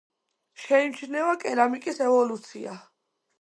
შეიმჩნევა კერამიკის ევოლუცია.